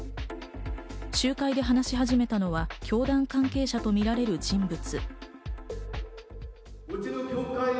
集会で話し始めたのは教団関係者とみられる人物。